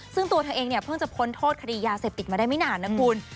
ซึ่งตัวเธอเองเนี่ยเพิ่งจะพ้นโทษคดียาเสพติดมาได้ไม่นานนะคุณ